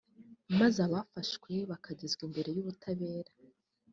maze abafashwe bakagezwa imbere y’ubutabera